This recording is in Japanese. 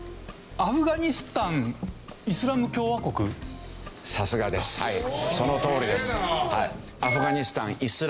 アフガニスタン・イスラム共和国というわけですね。